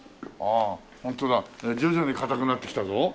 ホントだ徐々に硬くなってきたぞ。